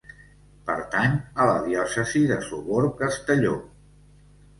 Pertany a la Diòcesi de Sogorb-Castelló.